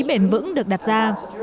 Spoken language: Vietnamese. bền vững được đặt ra